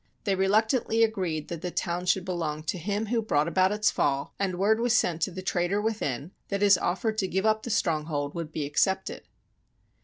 They reluctantly agreed that the town should belong to him who brought about its fall, and word was sent to the traitor with in that his offer to give up the stronghold would be accepted.